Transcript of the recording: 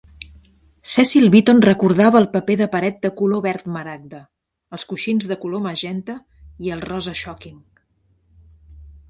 Cecil Beaton recordava el paper de paret de color verd maragda, els coixins de color magenta i el rosa "shocking".